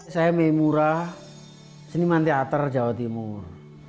saya meimura seniman teater jawa timur